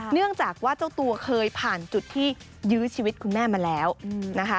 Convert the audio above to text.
เนื่องจากว่าเจ้าตัวเคยผ่านจุดที่ยื้อชีวิตคุณแม่มาแล้วนะคะ